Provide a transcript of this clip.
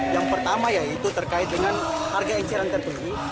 yang pertama ya itu terkait dengan harga enceran tertinggi